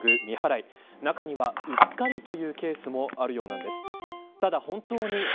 そのセルフレジの相次ぐ未払い中には、うっかりというケースもあるようなんです。